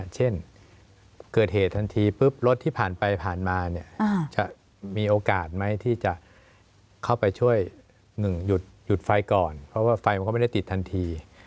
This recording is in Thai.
เช่นเกิดเหตุทันทีปุ๊บรถที่ผ่านไปผ่านมาเนี่ยจะมีโอกาสไหมที่จะเข้าไปช่วยหนึ่งหยุดไฟก่อนเพราะว่าไฟมันก็ไม่ได้ติดทันที